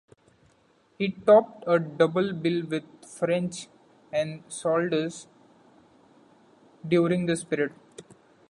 He topped a double bill with French and Saunders during this period.